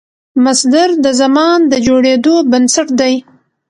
مصدر د زمان د جوړېدو بنسټ دئ.